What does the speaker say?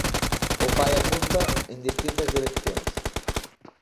O pai apunta en distintas direccións.